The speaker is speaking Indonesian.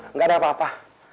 nggak ada apa apa